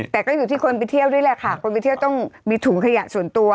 แต่ก็อยู่ที่คนไปเที่ยวด้วยแหละค่ะคนไปเที่ยวต้องมีถุงขยะส่วนตัว